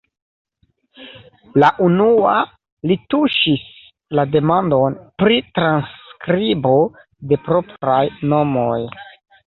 La unua li tuŝis la demandon "Pri transskribo de propraj nomoj".